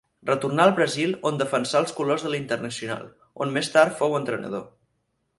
Retornà al Brasil on defensà els colors de l'Internacional, on més tard en fou entrenador.